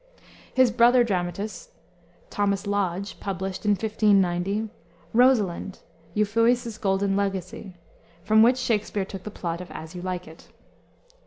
His brother dramatist, Thomas Lodge, published; in 1590, Rosalynde: Euphues's Golden Legacy, from which Shakspere took the plot of As You Like It.